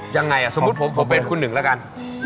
ยังไงสมมุติผมขอเป็นคุณหนึ่งแล้วกัน